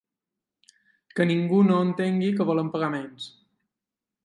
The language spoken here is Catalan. Que ningú no entengui que volem pagar menys.